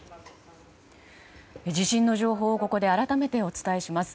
地震の情報をここで改めてお伝えします。